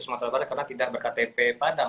sumatera barat karena tidak berktp padang